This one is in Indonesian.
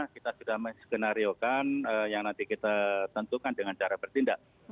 kita sudah men skenariokan yang nanti kita tentukan dengan cara pertindak